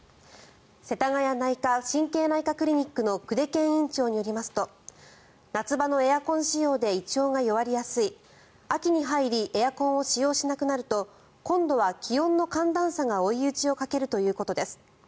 せたがや内科・神経内科クリニックの久手堅院長によりますと夏場のエアコン使用で胃腸が弱りやすい秋に入りエアコンを使用しなくなると今度は気温の寒暖差が追い打ちをかけるということです。